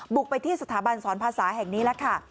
บุกไปที่สถาบันสอนภาษาแห่งนี้แล้วค่ะ